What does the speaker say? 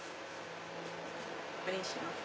これにします。